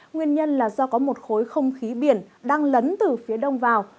nguyên nhân là do có một khối không khí biển đang lấn từ phía đông vào